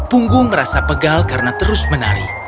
punggung merasa pegal karena terus menari